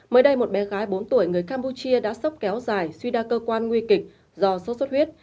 mới đây một bé gái bốn tuổi người campuchia đã sốc kéo dài suy đa cơ quan nguy kịch do sốt xuất huyết